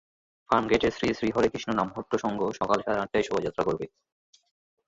ফার্মগেটের শ্রীশ্রী হরে কৃষ্ণ নামহট্ট সংঘ সকাল সাড়ে আটটায় শোভাযাত্রা করবে।